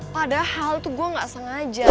padahal tuh gue gak sengaja